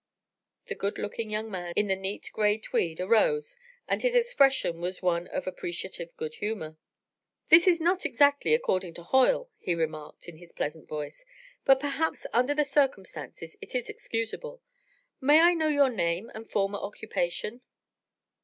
The good looking young man in the neat grey tweed, arose, and his expression was one of appreciative good humor. "This is not exactly according to Hoyle," he remarked in his pleasant voice, "but perhaps under the circumstances it is excusable. May I know your name and former occupation?"